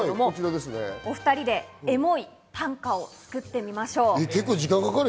お２人でエモい短歌を作ってみましょう。